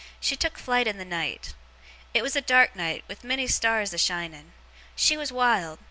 she took flight in the night. It was a dark night, with a many stars a shining. She was wild.